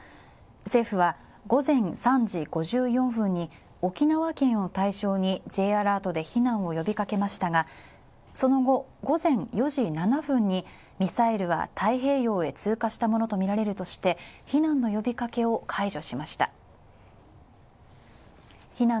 政府は午前３時５４分に沖縄県を対象にＪアラートで避難を呼びかけましたが、その後、午前４時７分にミサイルは太平洋へ通過したものとみられるとして避難の呼びかけを解除しました。